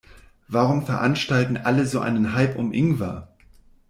Warum veranstalten alle so einen Hype um Ingwer?